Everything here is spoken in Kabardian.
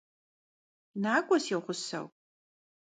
Nak'ue si ğuseu!